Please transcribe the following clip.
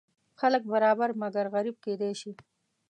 خلک برابر مګر غریب کیدی شي.